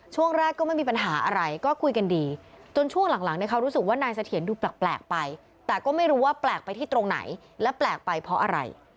ช่วงแรกก็ไม่มีปัญหาอะไรก็คุยกันดีจนช่วงหลังเนี่ยเขารู้สึกว่านายเสถียรดูแปลกไปแต่ก็ไม่รู้ว่าแปลกไปที่ตรงไหนและแปลกไปเพราะอะไร